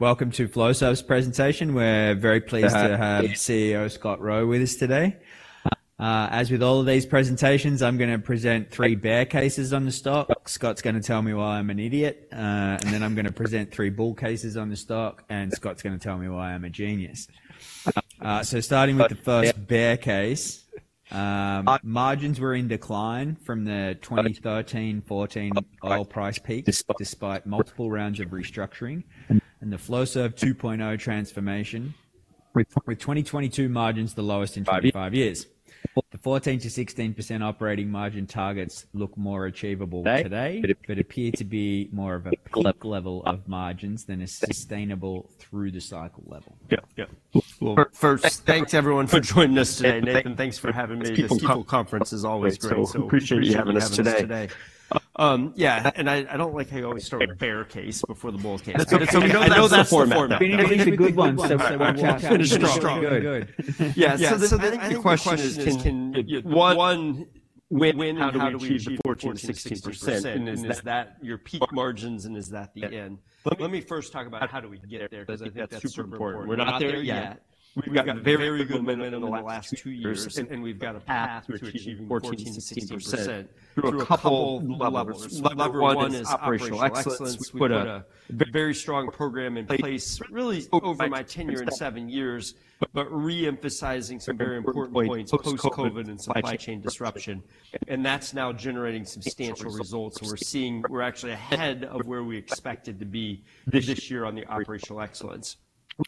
Welcome to Flowserve's presentation. We're very pleased to have CEO Scott Rowe with us today. As with all of these presentations, I'm gonna present three bear cases on the stock. Scott's gonna tell me why I'm an idiot, and then I'm gonna present three bull cases on the stock, and Scott's gonna tell me why I'm a genius. So starting with the first bear case, margins were in decline from the 2013, 2014 oil price peak, despite multiple rounds of restructuring and the Flowserve 2.0 transformation, with 2022 margins the lowest in five years. The 14%-16% operating margin targets look more achievable today, but appear to be more of a peak level of margins than a sustainable through the cycle level. Yeah. Yeah. Well, first, thanks everyone for joining us today. Nathan, thanks for having me. This conference is always great- Appreciate you having us today. Appreciate you having us today. Yeah, and I don't like how you always start with bear case before the bull case. That's, I know that's the format. We need to leave the good ones, so finish strong. Good. Yeah. So, I think the question is, can one win, how do we achieve the 14%-16%? And is that your peak margins, and is that the end? Let me first talk about how do we get there, because I think that's super important. We're not there yet. We've got very good momentum in the last two years, and we've got a path to achieving 14%-16% through a couple levels. Level one is operational excellence. We put a very strong program in place, really over my tenure in seven years, but re-emphasizing some very important points post-COVID and supply chain disruption. And that's now generating substantial results, and we're seeing. We're actually ahead of where we expected to be this year on the operational excellence.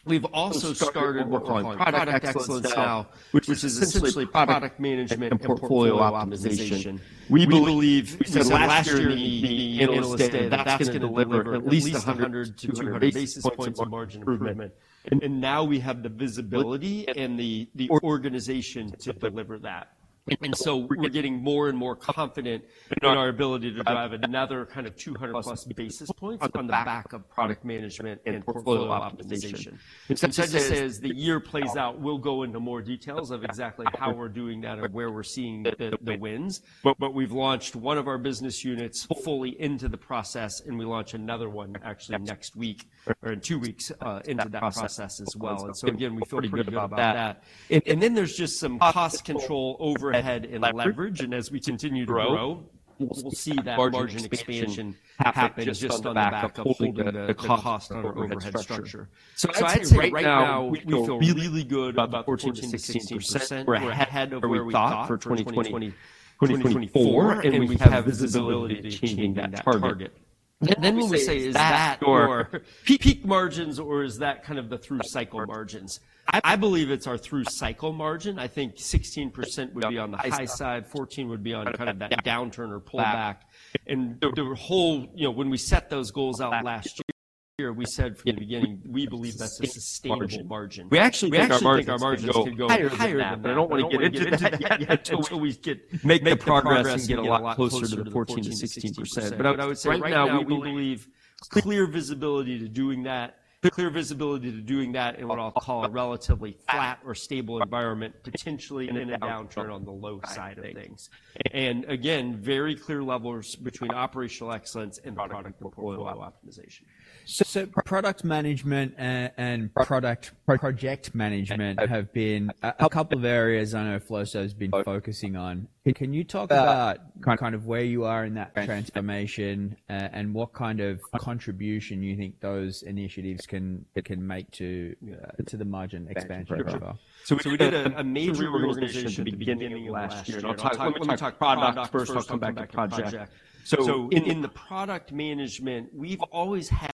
We've also started what we're calling product excellence now, which is essentially product management and portfolio optimization. We believe, we said last year at the analyst day, that that's gonna deliver at least 100-200 basis points of margin improvement. And now we have the visibility and the, the organization to deliver that. And so we're getting more and more confident in our ability to drive another kind of 200+ basis points on the back of product management and portfolio optimization. So just as the year plays out, we'll go into more details of exactly how we're doing that and where we're seeing the, the wins. But, but we've launched one of our business units fully into the process, and we launch another one actually next week or in two weeks, into that process as well. And so again, we feel pretty good about that. And then there's just some cost control overhead and leverage, and as we continue to grow, we'll see that margin expansion happen just on the back of holding the, the cost or overhead structure. So I'd say right now, we feel really good about the 14%-16%. We're ahead of where we thought for 2020-2024, and we have visibility to achieving that target. And then when we say, is that your peak margins or is that kind of the through-cycle margins? I, I believe it's our through-cycle margin. I think 16% would be on the high side, 14% would be on kind of that downturn or pullback. And the, the whole, when we set those goals out last year, we said from the beginning, we believe that's a sustainable margin. We actually think our margins could go higher than that, but I don't wanna get into that yet, until we get, make the progress and get a lot closer to the 14%-16%. But I would say right now, we believe clear visibility to doing that, clear visibility to doing that in what I'll call a relatively flat or stable environment, potentially in a downturn on the low side of things. And again, very clear levers between operational excellence and product portfolio optimization. So product management and product project management have been a couple of areas I know Flowserve has been focusing on. Can you talk about kind of where you are in that transformation, and what kind of contribution you think those initiatives can make to the margin expansion profile? So we did a major reorganization at the beginning of last year, and I'll talk. I'm gonna talk product first. I'll come back to project. So in the product management, we've always had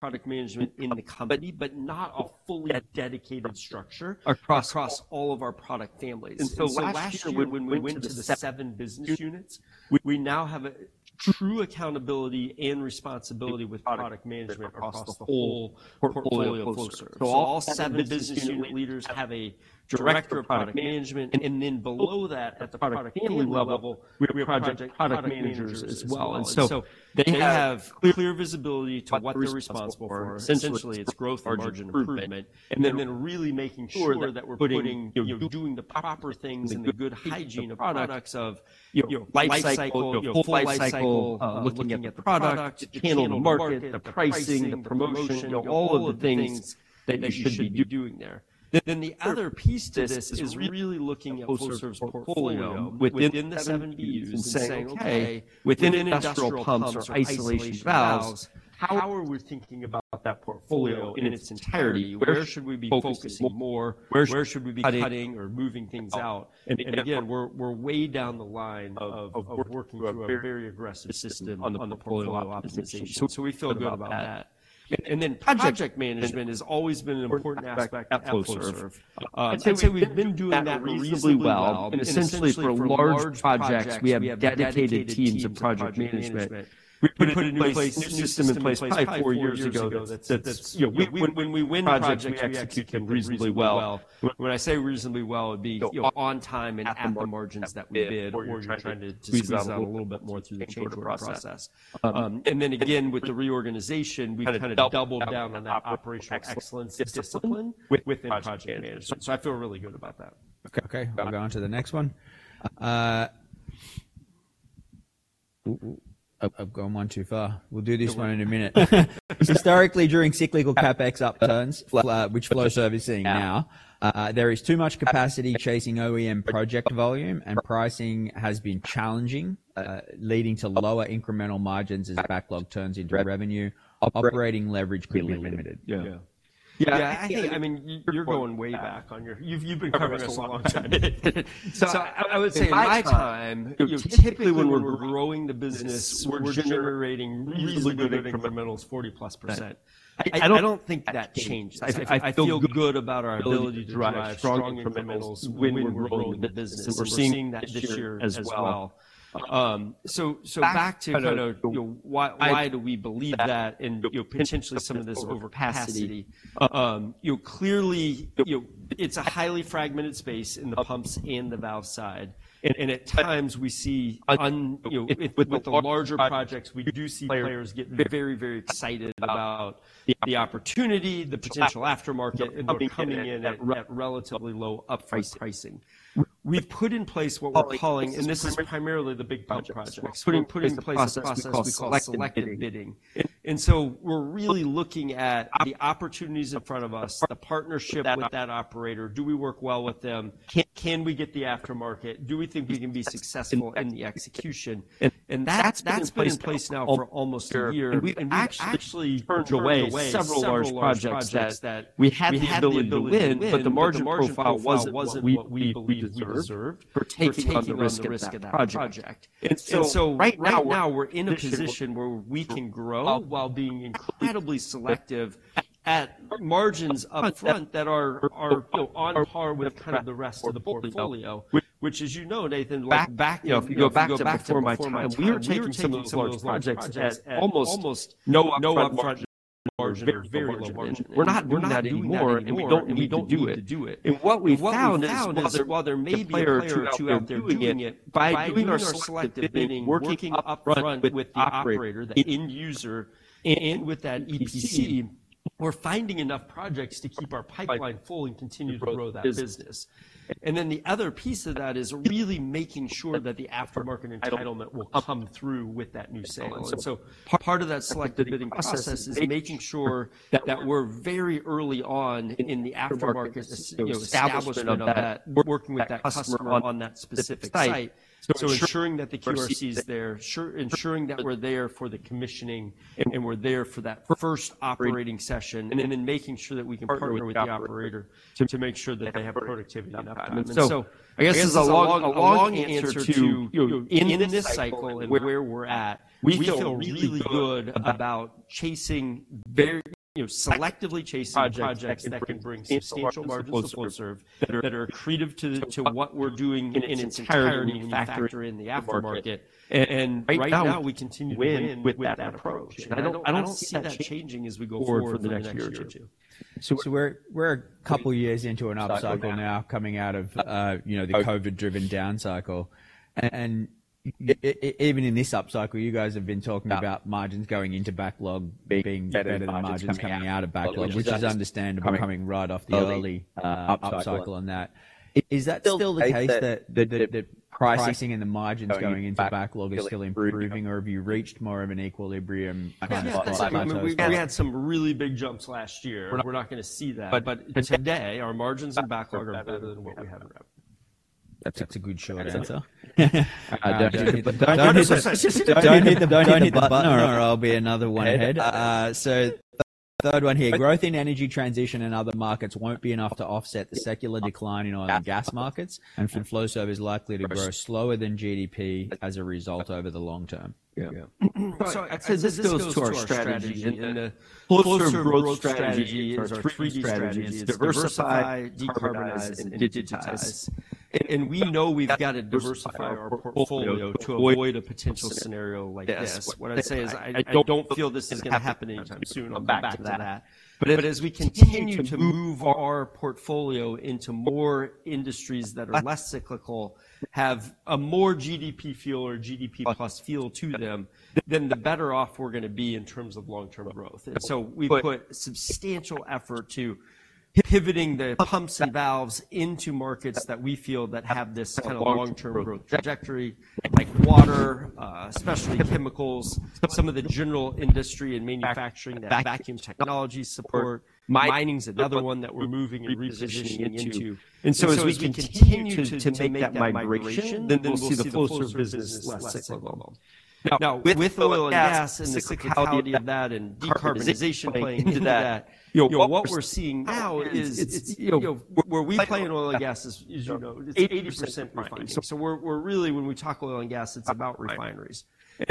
product management in the company, but not a fully dedicated structure across all of our product families. And so last year, when we went to the seven business units, we now have a true accountability and responsibility with product management across the whole portfolio of Flowserve. So all seven business unit leaders have a director of product management, and then below that, at the product family level, we have product product managers as well. And so they have clear visibility to what they're responsible for, essentially it's growth margin improvement, and then really making sure that, that we're putting, you know, doing the proper things and the good hygiene of products of, you know, life cycle, full life cycle, looking at the product, the channel to market, the pricing, the promotion, you know, all of the things that you should be do, doing there. Then, then the other piece to this is really looking at Flowserve's portfolio within the seven BUs and saying, "Okay, within industrial pumps or isolation valves, how are we thinking about that portfolio in its entirety? Where should we be focusing more? Where should we be cutting or moving things out?" And, and again, we're, we're way down the line of, of working through a very aggressive system on the portfolio optimization. So we feel good about that. And then project management has always been an important aspect at Flowserve. I'd say we've been doing that reasonably well, and essentially for large projects, we have dedicated teams of project management. We put a new place, a new system in place probably 4 years ago that's. You know, when we win projects, we execute them reasonably well. When I say reasonably well, it'd be, you know, on time and at the margins that we bid, or you're trying to squeeze out a little bit more through the change order process. And then again, with the reorganization, we've kind of doubled down on that operational excellence discipline within project management. So I feel really good about that. Okay, I'll go on to the next one. I've gone one too far. We'll do this one in a minute. Historically, during cyclical CapEx upturns, which Flowserve is seeing now, there is too much capacity chasing OEM project volume, and pricing has been challenging, leading to lower incremental margins as backlog turns into revenue. Operating leverage could be limited. Yeah. Yeah. I think, I mean, you're going way back on your. You've been covering us a long time. So I would say in my time, typically when we're growing the business, we're generating reasonably good incrementals, 40%+. I don't think that changes. I feel good about our ability to drive strong incrementals when we're growing the business, and we're seeing that this year as well. So back to, you know, why do we believe that and, you know, potentially some of this overcapacity? You know, clearly, you know, it's a highly fragmented space in the pumps and the valve side, and at times we see, you know, with the larger projects, we do see players get very, very excited about the opportunity, the potential aftermarket, and they're coming in at relatively low up-front pricing. We've put in place what we're calling, and this is primarily the big pump projects. We're putting in place a process we call selective bidding. And so we're really looking at the opportunities in front of us, the partnership with that operator. Do we work well with them? Can we get the aftermarket? Do we think we can be successful in the execution? And that's, that's been in place now for almost a year, and we've actually turned away several large projects that we had the ability to win, but the margin profile wasn't what we believed we deserved for taking on the risk of that project. And so right now, we're in a position where we can grow while being incredibly selective at margins upfront that are, are on par with kind of the rest of the portfolio, which as you know, Nathan, back, you know, if you go back to before my time, we were taking some of those large projects at almost no upfront margin or very low margin, and we're not doing that anymore, and we don't need to do it. And what we've found is while there, while there may be a player or two out there doing it, by doing our selective bidding, working upfront with the operator, the end user, and with that EPC, we're finding enough projects to keep our pipeline full and continue to grow that business. And then the other piece of that is really making sure that the aftermarket entitlement will come through with that new sale. And so part of that selective bidding process is making sure that we're very early on in the aftermarket, you know, establishment of that, working with that customer on that specific site. So ensuring that the QRC is there, sure, ensuring that we're there for the commissioning, and we're there for that first operating session, and then making sure that we can partner with the operator to, to make sure that they have productivity uptime. And so, I guess that's a long, a long answer to, you know, in this cycle and where we're at. We feel really good about chasing very, you know, selectively chasing projects that can bring substantial margin to Flowserve, that are accretive to, to what we're doing in its entirety when you factor in the aftermarket. And right now, we continue to win with that approach, and I don't, I don't see that changing as we go forward for the next year or two. We're a couple of years into an upcycle now, coming out of, you know, the COVID-driven down cycle. Even in this upcycle, you guys have been talking about margins going into backlog being better than the margins coming out of backlog, which is understandable coming right off the early upcycle on that. Is that still the case, that the pricing and the margins going into backlog are still improving, or have you reached more of an equilibrium on that? We had some really big jumps last year. We're not going to see that, but today, our margins in backlog are better than what we have right. That's a good short answer. Don't hit the button or I'll be another one ahead. So, third one here: growth in energy transition and other markets won't be enough to offset the secular decline in oil and gas markets, and Flowserve is likely to grow slower than GDP as a result over the long term. Yeah. So I'd say this goes to our strategy, and the Flowserve growth strategy is our three D strategy: it's diversify, decarbonize, and digitize. And we know we've got to diversify our portfolio to avoid a potential scenario like this. What I'd say is, I don't feel this is going to happen anytime soon. I'll come back to that. But as we continue to move our portfolio into more industries that are less cyclical, have a more GDP feel or GDP plus feel to them, then the better off we're going to be in terms of long-term growth. And so we've put substantial effort to pivoting the pumps and valves into markets that we feel that have this kind of long-term growth trajectory, like water, especially chemicals, some of the general industry and manufacturing that vacuum technology support. Mining's another one that we're moving and repositioning into. And so as we continue to make that migration, then we'll see the Flowserve business less cyclical. Now, with oil and gas and the cyclicality of that and decarbonization playing into that, you know, what we're seeing now is it's, you know, where we play in oil and gas is, as you know, it's 80% refining. So we're really when we talk oil and gas, it's about refineries.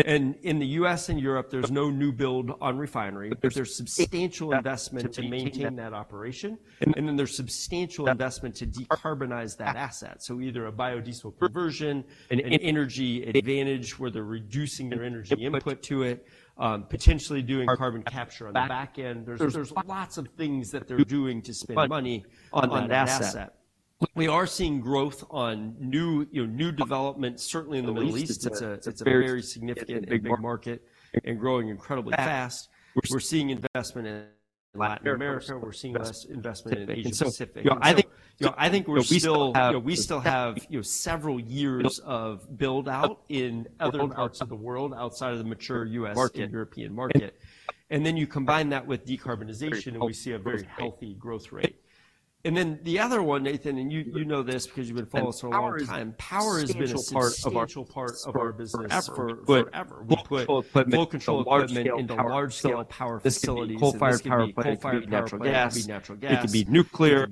And in the US and Europe, there's no new build on refinery, but there's substantial investment to maintain that operation, and then there's substantial investment to decarbonize that asset. So either a biodiesel conversion, an Energy Advantage where they're reducing their energy input to it, potentially doing carbon capture on the back end. There's lots of things that they're doing to save money on that asset. We are seeing growth on new, you know, new developments, certainly in the Middle East. It's a, it's a very significant and big market and growing incredibly fast. We're seeing investment in Latin America, we're seeing less investment in Asia Pacific. You know, I think, you know, I think we still have, you know, we still have, you know, several years of build-out in other parts of the world outside of the mature US and European market. And then you combine that with decarbonization, and we see a very healthy growth rate. And then the other one, Nathan, and you, you know this because you've been following us a long time, power is a substantial part of our business for forever. We put flow control equipment into large-scale power facilities, and this can be coal-fired power plant, it could be natural gas, it could be nuclear,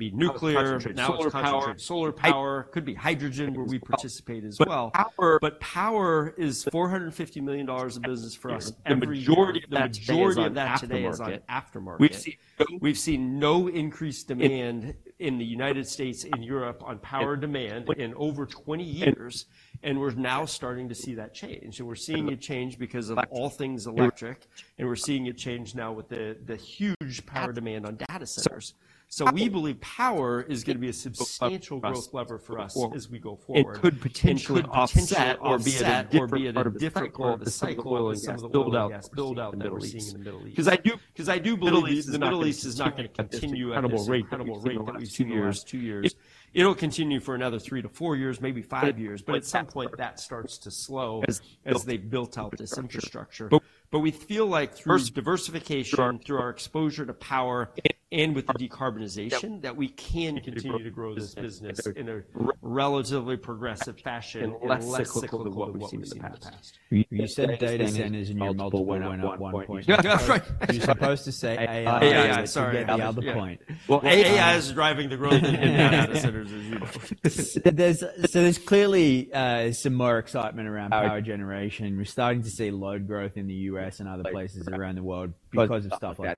now concentrated solar power, could be hydrogen, where we participate as well. But power is $450 million of business for us every year. The majority of that today is on aftermarket. We've seen no increased demand in the United States and Europe on power demand in over 20 years, and we're now starting to see that change. And we're seeing it change because of all things electric, and we're seeing it change now with the huge power demand on data centers. So we believe power is gonna be a substantial growth lever for us as we go forward, and could potentially offset or be at a different part of the cycle than some of the oil and gas build-out that we're seeing in the Middle East. 'Cause I do, 'cause I do believe the Middle East is not gonna continue at this incredible rate that we've seen over the last 2 years. It'll continue for another 3-4 years, maybe 5 years, but at some point that starts to slow as they've built out this infrastructure. But we feel like through diversification, through our exposure to power and with the decarbonization, that we can continue to grow this business in a relatively progressive fashion and less cyclical than what we've seen in the past. You said data centers and your multiple went up 1 point. That's right. You're supposed to say AI. AI, sorry To get the other point. Well, AI is driving the growth in data centers, as you know. So there's clearly some more excitement around power generation. We're starting to see load growth in the US and other places around the world because of stuff like that,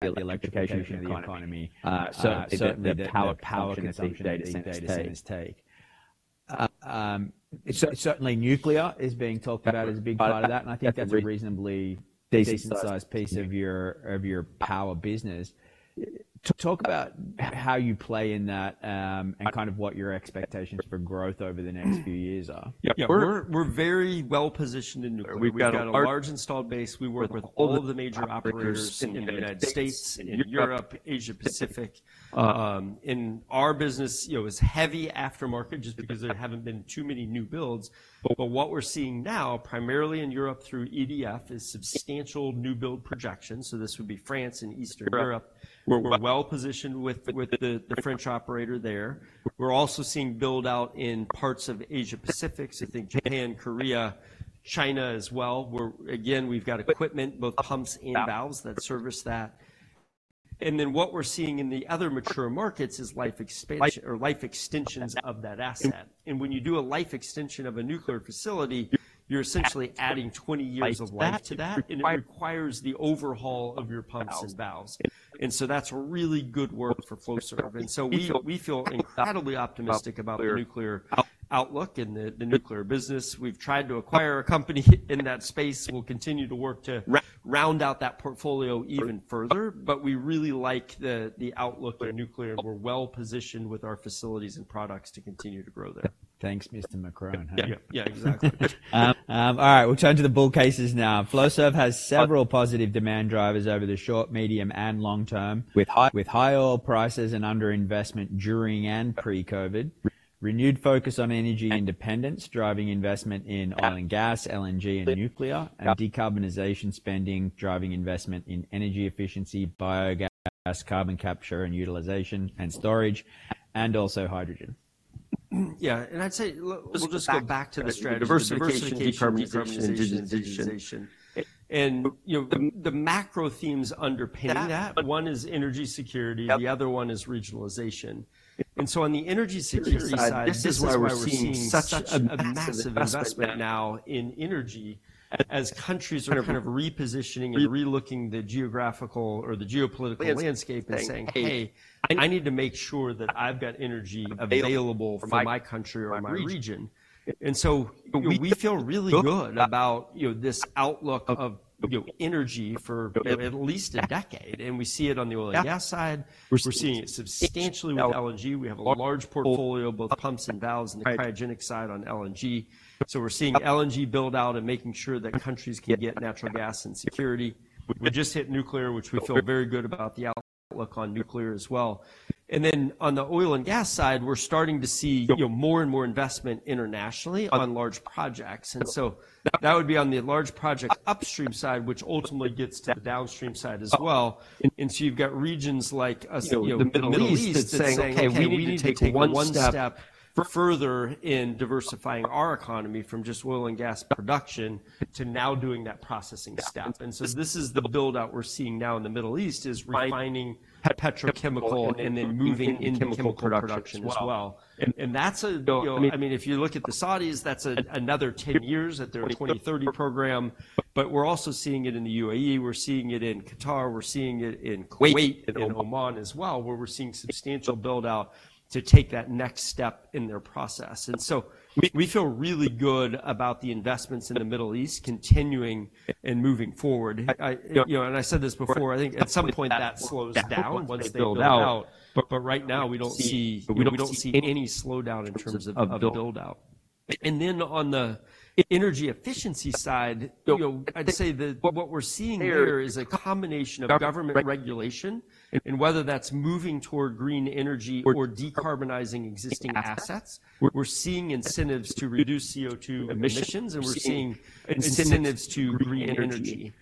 the electrification of the economy. So certainly the power consumption that these data centers take. So certainly nuclear is being talked about as a big part of that, and I think that's a reasonably decent-sized piece of your power business. Talk about how you play in that, and kind of what your expectations for growth over the next few years are. Yeah. We're very well positioned in nuclear. We've got a large installed base. We work with all of the major operators in the United States, in Europe, Asia Pacific. In our business, you know, it's heavy aftermarket just because there haven't been too many new builds. But what we're seeing now, primarily in Europe through EDF, is substantial new build projections, so this would be France and Eastern Europe, where we're well positioned with the French operator there. We're also seeing build-out in parts of Asia Pacific, so think Japan, Korea, China as well, where, again, we've got equipment, both pumps and valves that service that. And then what we're seeing in the other mature markets is life expansion or life extensions of that asset. When you do a life extension of a nuclear facility, you're essentially adding 20 years of life to that, and it requires the overhaul of your pumps and valves. So that's really good work for Flowserve. So we, we feel incredibly optimistic about the nuclear outlook in the nuclear business. We've tried to acquire a company in that space. We'll continue to work to round out that portfolio even further, but we really like the outlook for nuclear. We're well positioned with our facilities and products to continue to grow there. Thanks, Mr. Macron. Yeah. Yeah, exactly. All right, we'll turn to the bull cases now. Flowserve has several positive demand drivers over the short, medium, and long term, with high oil prices and underinvestment during and pre-COVID. Renewed focus on energy independence, driving investment in oil and gas, LNG and nuclear, and decarbonization spending, driving investment in energy efficiency, biogas, carbon capture and utilization and storage, and also hydrogen. Yeah, and I'd say, we'll just go back to the strategy. Diversification, decarbonization, and digitization. And, you know, the macro themes underpinning that, one is energy security, the other one is regionalization. And so on the energy security side, this is why we're seeing such a massive investment now in energy, as countries are kind of repositioning and relooking the geographical or the geopolitical landscape and saying, "Hey, I need to make sure that I've got energy available for my country or my region." And so we feel really good about, you know, this outlook of, you know, energy for at least a decade, and we see it on the oil and gas side. We're seeing it substantially with LNG. We have a large portfolio, both pumps and valves in the cryogenic side on LNG. So we're seeing LNG build-out and making sure that countries can get natural gas and security. We just hit nuclear, which we feel very good about the outlook on nuclear as well. And then on the oil and gas side, we're starting to see, you know, more and more investment internationally on large projects. And so that would be on the large project upstream side, which ultimately gets to the downstream side as well. And so you've got regions like the U.S., you know, the Middle East, that's saying, "Okay, we need to take one step further in diversifying our economy from just oil and gas production to now doing that processing step." And so this is the build-out we're seeing now in the Middle East, is refining petrochemical and then moving into chemical production as well. I mean, if you look at the Saudis, that's another 10 years at their 2030 program, but we're also seeing it in the UAE, we're seeing it in Qatar, we're seeing it in Kuwait and Oman as well, where we're seeing substantial build-out to take that next step in their process. And so we, we feel really good about the investments in the Middle East continuing and moving forward. I, you know, and I said this before, I think at some point that slows down once they build out, but, but right now we don't see, we don't see any slowdown in terms of build-out. And then on the energy efficiency side, you know, I'd say that what we're seeing there is a combination of government regulation, and whether that's moving toward green energy or decarbonizing existing assets. We're seeing incentives to reduce CO2 emissions, and we're seeing incentives to green energy.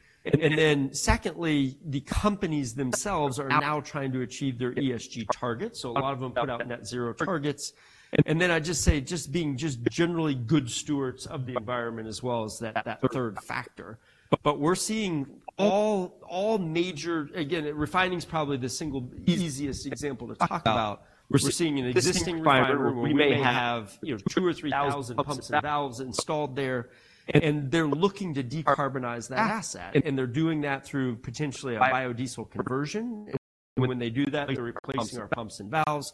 And then secondly, the companies themselves are now trying to achieve their ESG targets, so a lot of them put out net zero targets. And then I'd just say, just being just generally good stewards of the environment as well as that, that third factor. But we're seeing all, all major-- Again, refining's probably the single easiest example to talk about. We're seeing an existing refinery where we may have, you know, 2,000 or 3,000 pumps and valves installed there, and they're looking to decarbonize that asset, and they're doing that through potentially a biodiesel conversion. And when they do that, they're replacing our pumps and valves,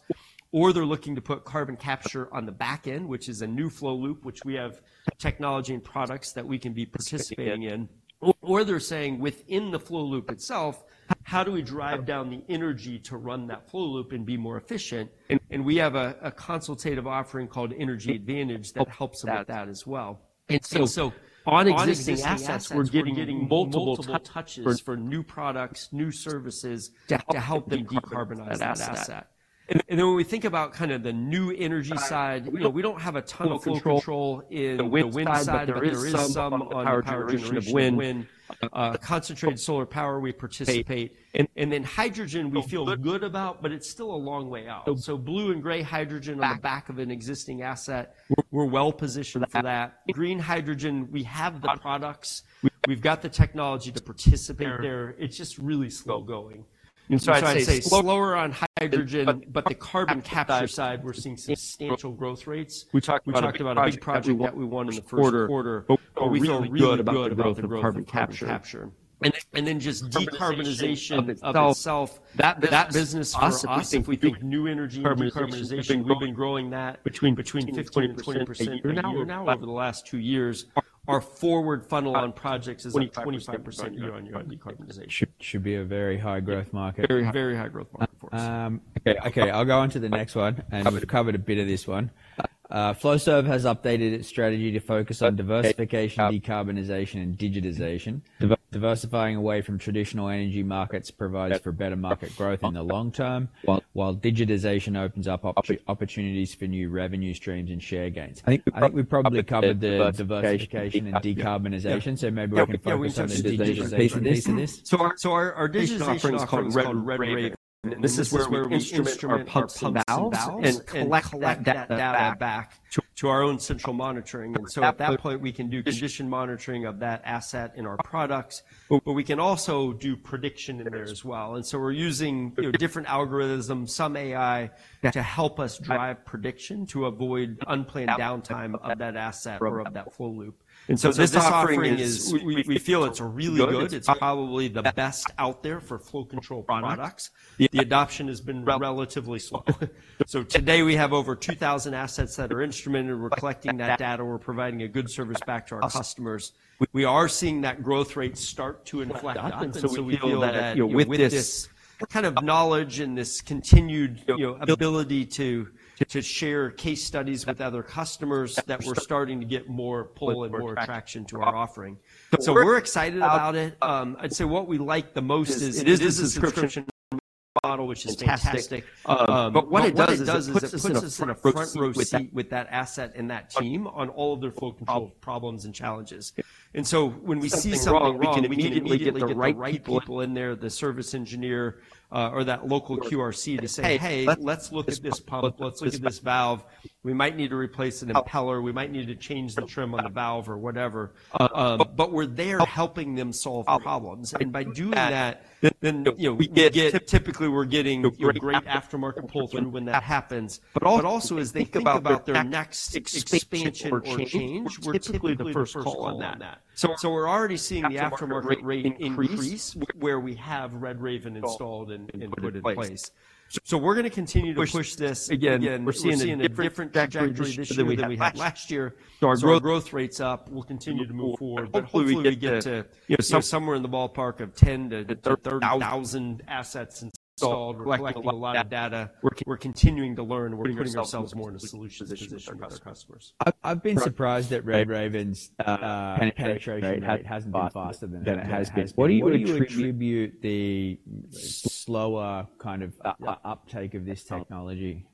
or they're looking to put carbon capture on the back end, which is a new flow loop, which we have technology and products that we can be participating in. Or they're saying within the flow loop itself, "How do we drive down the energy to run that flow loop and be more efficient?" And we have a consultative offering called Energy Advantage that helps them with that as well. And so, on existing assets, we're getting multiple touches for new products, new services to help them decarbonize that asset. And then when we think about kind of the new energy side, you know, we don't have a ton of flow control in the wind side, but there is some on the power generation of wind. Concentrated solar power, we participate. And then hydrogen we feel good about, but it's still a long way out. So blue and gray hydrogen on the back of an existing asset, we're well positioned for that. Green hydrogen, we have the products. We've got the technology to participate there. It's just really slow going. And so I'd say slower on hydrogen, but the carbon capture side, we're seeing substantial growth rates. We talked about a big project that we won in the first quarter, but we feel really good about the growth in carbon capture. And then just decarbonization of itself, that business for us, if we think new energy and decarbonization, we've been growing that between 15% and 20% year-on-year. Over the last two years, our forward funnel on projects is 25% year-on-year on decarbonization. Should be a very high growth market. Very, very high growth market for us. Okay, okay, I'll go on to the next one, and we've covered a bit of this one. Flowserve has updated its strategy to focus on diversification, decarbonization, and digitization. Diversifying away from traditional energy markets provides for better market growth in the long term, while digitization opens up opportunities for new revenue streams and share gains. I think we've probably covered the diversification and decarbonization, so maybe we can focus on the digitization piece of this. So our digitization offering is called RedRaven, and this is where we instrument our pumps and valves and collect that data back to our own central monitoring. And so at that point, we can do condition monitoring of that asset in our products, but we can also do prediction in there as well. And so we're using, you know, different algorithms, some AI, to help us drive prediction, to avoid unplanned downtime of that asset or of that flow loop. And so this offering is. We feel it's really good. It's probably the best out there for flow control products. The adoption has been relatively slow. So today, we have over 2,000 assets that are instrumented, and we're collecting that data, and we're providing a good service back to our customers. We are seeing that growth rate start to inflect up, and so we feel that, you know, with this kind of knowledge and this continued, you know, ability to share case studies with other customers, that we're starting to get more pull and more attraction to our offering. So we're excited about it. I'd say what we like the most is it is a subscription model, which is fantastic. But what it does is it puts us in a front-row seat with that asset and that team on all of their flow control problems and challenges. And so when we see something wrong, we can immediately get the right people in there, the service engineer, or that local QRC to say, "Hey, let's look at this pump. Let's look at this valve. We might need to replace an impeller. We might need to change the trim on the valve or whatever." But we're there helping them solve problems, and by doing that, then, you know, we get typically, we're getting, you know, great aftermarket pull-through when that happens. But also, as they think about their next expansion or change, we're typically the first call on that. So we're already seeing the aftermarket rate increase, where we have RedRaven installed and put in place. So we're gonna continue to push this. Again, we're seeing a different trajectory this year than we had last year. So our growth rate's up. We'll continue to move forward, but hopefully we get to, you know, somewhere in the ballpark of 10-30,000 assets installed. We're collecting a lot of data. We're continuing to learn, and we're putting ourselves more in a solutions position with our customers. I've been surprised that RedRaven's penetration rate hasn't been faster than it has been. What do you attribute the slower kind of uptake of this technology?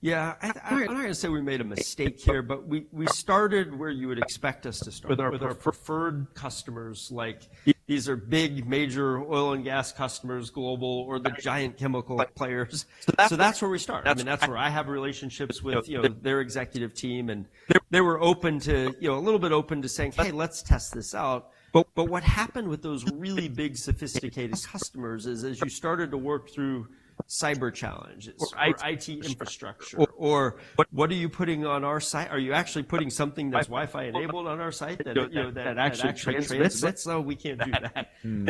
Yeah, I'm not gonna say we made a mistake here, but we started where you would expect us to start, with our preferred customers. Like, these are big, major oil and gas customers, global, or the giant chemical players. So that's where we start. I mean, that's where I have relationships with, you know, their executive team, and they were open to, a little bit open to saying, "Hey, let's test this out." But what happened with those really big, sophisticated customers is, as you started to work through cyber challenges, or IT infrastructure, or, "What are you putting on our site? Are you actually putting something that's Wi-Fi enabled on our site that, you know, that actually transmits? No, we can't do that. Hmm.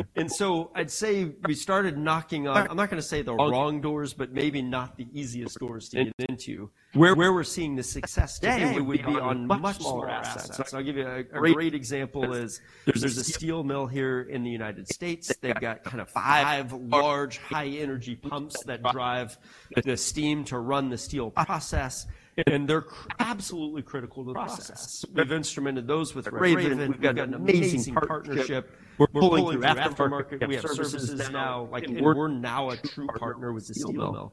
I'd say we started knocking on, I'm not gonna say the wrong doors, but maybe not the easiest doors to get into. Where we're seeing the success today would be on much smaller assets. I'll give you a great example is, there's a steel mill here in the United States. They've got kind of five large, high-energy pumps that drive the steam to run the steel process, and they're absolutely critical to the process. We've instrumented those with RedRaven. We've got an amazing partnership. We're pulling through aftermarket services now, and we're now a true partner with the steel mill.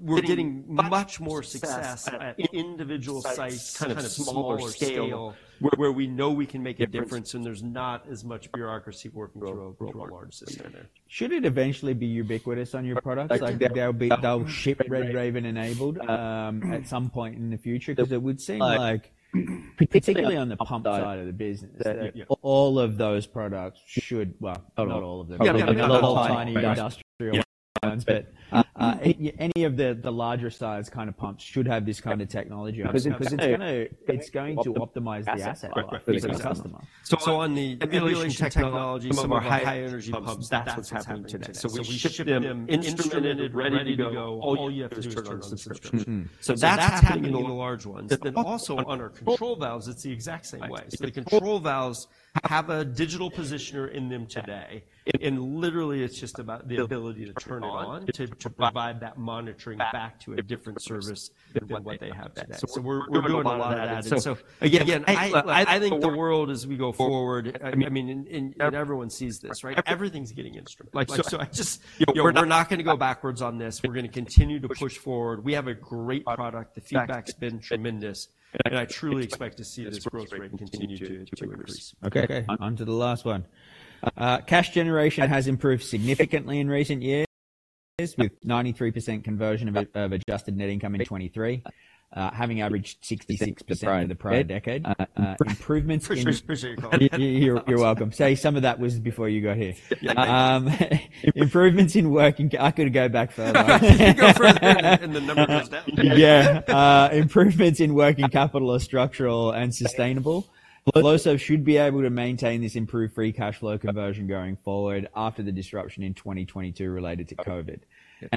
We're getting much more success at individual sites, kind of, smaller scale, where we know we can make a difference, and there's not as much bureaucracy working through a large system. Should it eventually be ubiquitous on your products? Like, they'll be, they'll ship RedRaven enabled, at some point in the future? Because it would seem like, particularly on the pump side of the business, that all of those products should, Well, not all of them. Yeah, yeah. The tiny industrial ones. But any of the larger size kind of pumps should have this kind of technology, because it's going to optimize the asset life for the customer. So on the regulation technology, some of our high-energy pumps, that's what's happening today. So we ship them instrumented, ready to go, all you have to do is turn on the subscription. Mm-hmm. So that's happening on the large ones. But then also on our control valves, it's the exact same way. So the control valves have a digital positioner in them today, and literally, it's just about the ability to turn it on, to provide that monitoring back to a different service than what they have today. So we're working on a lot of that. And so again, I think the world as we go forward, I mean, and everyone sees this, right? Everything's getting instrumented. Like, so we're not gonna go backwards on this. We're gonna continue to push forward. We have a great product. The feedback's been tremendous, and I truly expect to see this growth rate continue to increase. Okay, on to the last one. Cash generation has improved significantly in recent years, with 93% conversion of adjusted net income in 2023, having averaged 66% in the prior decade. Improvements in- Appreciate it, Colin. You're welcome. See, some of that was before you got here. Yeah. Improvements in working. I could go back further. You go further back and the number goes down. Yeah. Improvements in working capital are structural and sustainable. Flowserve should be able to maintain this improved free cash flow conversion going forward after the disruption in 2022 related to COVID,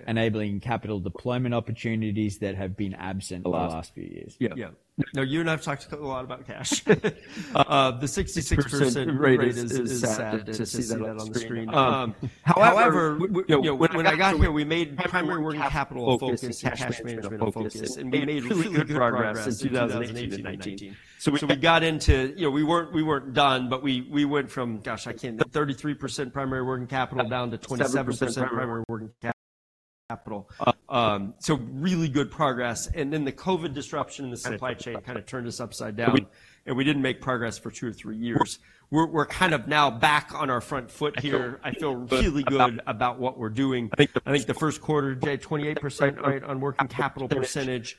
enabling capital deployment opportunities that have been absent the last few years. Yeah. Yeah. Now, you and I have talked a lot about cash. The 66% rate is sad to see that on the screen. However, you know, when I got here, we made primary working capital focus and cash management a focus, and made really good progress in 2018 and 2019. So we got into. You know, we weren't done, but we went from thirty-three percent primary working capital down to 27% primary working capital. So really good progress, and then the COVID disruption in the supply chain kind of turned us upside down, and we didn't make progress for two or three years. We're kind of now back on our front foot here. I feel really good about what we're doing. I think the first quarter, 28%, right, on working capital percentage.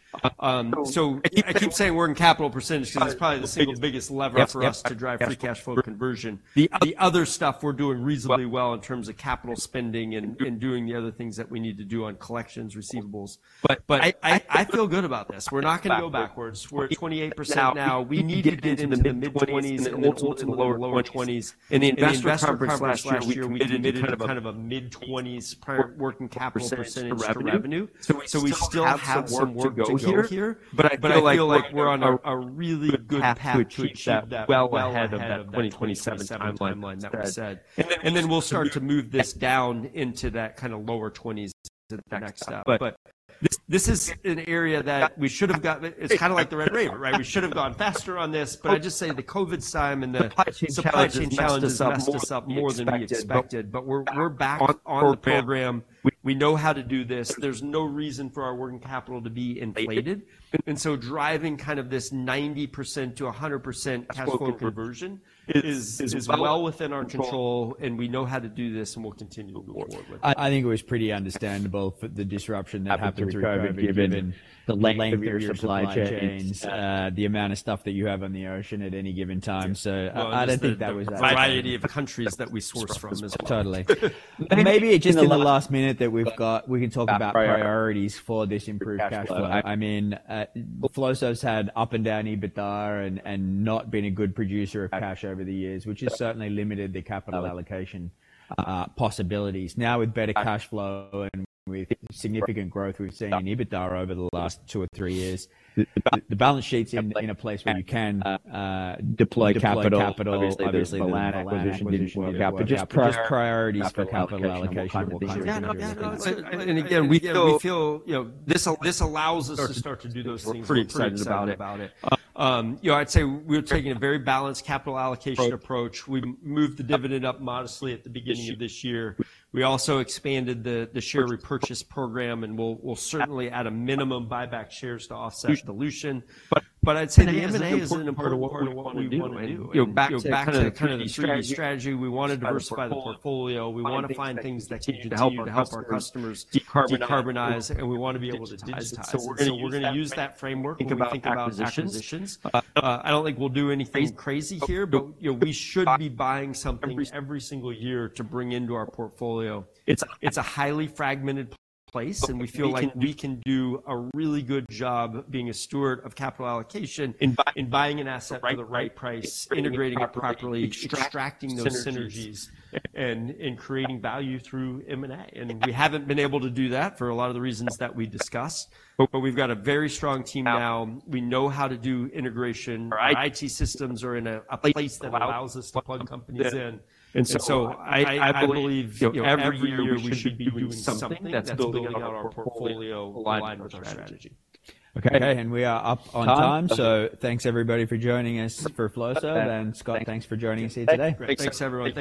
So I keep saying working capital percentage because it's probably the single biggest lever for us to drive free cash flow conversion. The other stuff, we're doing reasonably well in terms of capital spending and doing the other things that we need to do on collections, receivables. But I feel good about this. We're not gonna go backwards. We're at 28% now. We need to get into the mid-20s and then ultimately lower 20s. In the investor conference last year, we committed to kind of a mid-20s working capital percentage revenue. So we still have some work to do here, but I feel like we're on a really good path to achieve that well ahead of that 2027 timeline that we said. And then we'll start to move this down into that kind of lower 20s as the next step. But this, this is an area that we should have got—It's kind of like the RedRaven, right? We should have gone faster on this, but I'll just say the COVID time and the supply chain challenges messed us up more than we expected. But we're, we're back on the program. We know how to do this. There's no reason for our working capital to be inflated. And so driving kind of this 90%-100% cash flow conversion is, is well within our control, and we know how to do this, and we'll continue to move forward with it. I think it was pretty understandable for the disruption that happened through COVID, given the length of the supply chains, the amount of stuff that you have on the ocean at any given time. So I just think that was- The variety of countries that we source from as well. Totally. Maybe just in the last minute that we've got, we can talk about priorities for this improved cash flow. I mean, Flowserve's had up and down EBITDA and not been a good producer of cash over the years, which has certainly limited the capital allocation possibilities. Now, with better cash flow and with significant growth we've seen in EBITDA over the last two or three years, the balance sheet's in a place where you can deploy capital. Obviously, there's Velan acquisition, but just priorities for capital allocation going forward. Yeah, no, and, and again, we feel, you know, this, this allows us to start to do those things. We're pretty excited about it. You know, I'd say we're taking a very balanced capital allocation approach. We moved the dividend up modestly at the beginning of this year. We also expanded the, the share repurchase program, and we'll, we'll certainly at a minimum, buy back shares to offset dilution. But, but I'd say the M&A is an important part of what we want to do. And, you know, back to kind of the strategy, we want to diversify the portfolio. We want to find things that continue to help our customers decarbonize, and we want to be able to digitize. So we're gonna use that framework when we think about acquisitions. I don't think we'll do anything crazy here, but, you know, we should be buying something every single year to bring into our portfolio. It's a highly fragmented place, and we feel like we can do a really good job being a steward of capital allocation in buying an asset for the right price, integrating it properly, extracting those synergies, and creating value through M&A. And we haven't been able to do that for a lot of the reasons that we discussed, but we've got a very strong team now. We know how to do integration. Our IT systems are in a place that allows us to plug companies in. And so I believe, you know, every year we should be doing something that's building out our portfolio aligned with our strategy. Okay, we are up on time. Thanks, everybody, for joining us for Flowserve. Scott, thanks for joining us here today. Thanks, everyone.